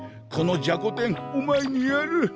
このじゃこ天お前にやる。